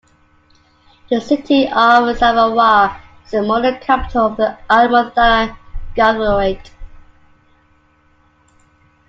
The city of Samawah is the modern capital of the Al Muthanna Governorate.